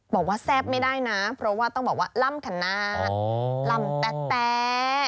บอกว่าแซ่บไม่ได้นะเพราะว่าต้องบอกว่าล่ำขนาดล่ำแต๊ะ